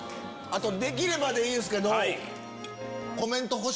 できればでいいんですけど。